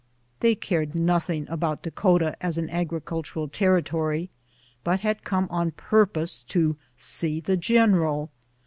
They cared nothing about Dakota as an agri cultural territory, but had come on purpose to see the general.